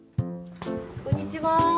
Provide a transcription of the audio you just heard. こんにちは。